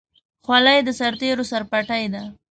خولۍ د سرتېرو سرپټۍ ده.